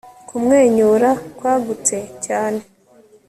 kumwenyura kwagutse cyane